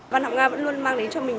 văn học nga vẫn luôn mang đến cho mình